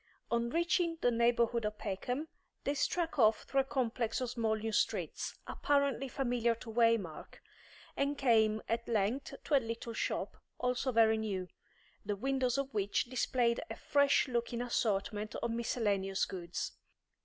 On reaching the neighbourhood of Peckham, they struck off through a complex of small new streets, apparently familiar to Waymark, and came at length to a little shop, also very new, the windows of which displayed a fresh looking assortment of miscellaneous goods.